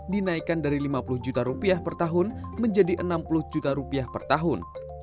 dinaikkan dari lima puluh juta rupiah per tahun menjadi enam puluh juta rupiah per tahun